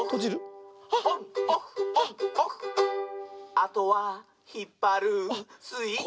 「あとはひっぱるスイッチ」